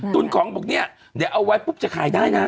ของบอกเนี่ยเดี๋ยวเอาไว้ปุ๊บจะขายได้นะ